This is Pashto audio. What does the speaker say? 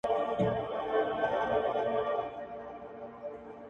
زريني کرښي د لاهور په لمر لويده کي نسته،